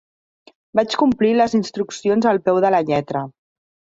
Vaig complir les instruccions al peu de la lletra.